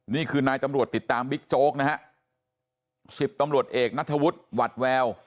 นี่คือนายตำรวจติดตามบิ๊กโจ๊กนะฮะสิบตำรวจเอกนัทธวุฒิหวัดแวว